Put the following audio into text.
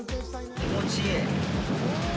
気持ちいい。